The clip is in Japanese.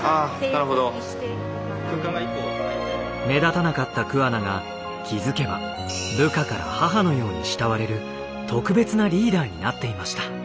目立たなかった桑名が気付けば部下から母のように慕われる特別なリーダーになっていました。